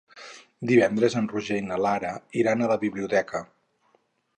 Divendres en Roger i na Lara iran a la biblioteca.